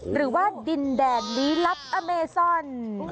หรือว่าดินแดดลี้ลับอเมซอน